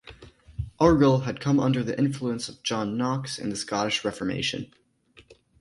Argyll had come under the influence of John Knox and the Scottish Reformation.